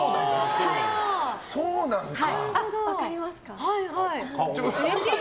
そうなのか。